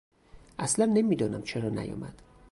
اصلا نمیدانم چرا نیامد.